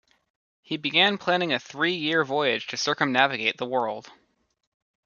He began planning a three-year voyage to circumnavigate the world.